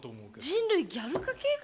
「人類ギャル化計画」